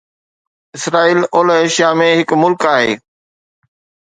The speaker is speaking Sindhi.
اسرائيل اولهه ايشيا ۾ هڪ ملڪ آهي